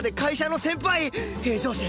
平常心！